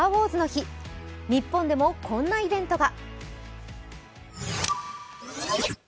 日本でもこんなイベントが。